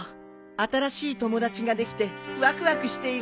新しい友達ができてわくわくしているんだ。